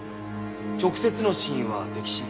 直接の死因は溺死。